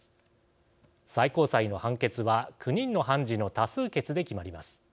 最高裁の判決は９人の判事の多数決で決まります。